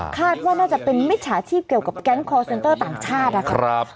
คาดว่าน่าจะเป็นมิจฉาชีพเกี่ยวกับแก๊งคอร์เซ็นเตอร์ต่างชาตินะคะ